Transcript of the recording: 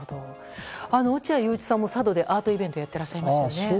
落合陽一さんも佐渡でアートイベントをやっていらっしゃいましたよね。